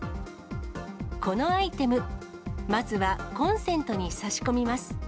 このアイテム、まずはコンセントに差し込みます。